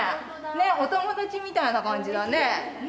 ねえお友達みたいな感じだね。